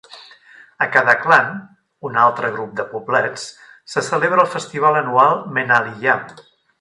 A Kadaclan, un altre grup de poblets, se celebra el festival anual "Menaliyam".